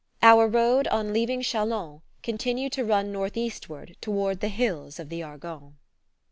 Our road on leaving Chalons continued to run northeastward toward the hills of the Argonne.